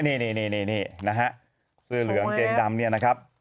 เนี่ยเนี่ยเนี่ยเนี่ยเนี่ยนะฮะเสื้อเหลืองเกงดำเนี่ยนะครับ